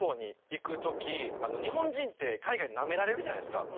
日本人って海外でなめられるじゃないですか。